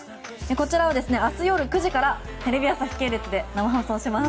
こちらは明日夜９時からテレビ朝日系列で生放送します。